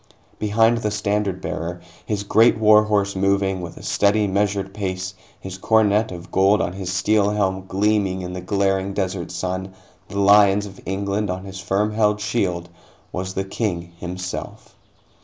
Behind the standard bearer, his great war horse moving with a steady, measured pace, his coronet of gold on his steel helm gleaming in the glaring desert sun, the lions of England on his firm held shield, was the King himself.